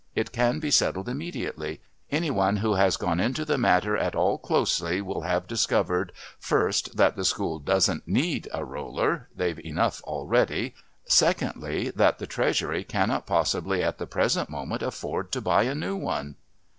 It can be settled immediately. Any one who has gone into the matter at all closely will have discovered first that the School doesn't need a roller they've enough already secondly, that the Treasury cannot possibly at the present moment afford to buy a new one."